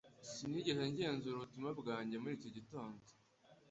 Sinigeze ngenzura ubutumwa bwanjye muri iki gitondo